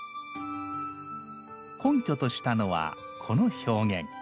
根拠としたのはこの表現。